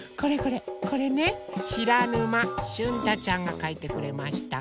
これねひらぬましゅんたちゃんがかいてくれました。